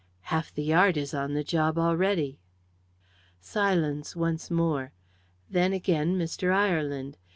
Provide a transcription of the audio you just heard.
"Half the Yard is on the job already." Silence once more; then again Mr. Ireland.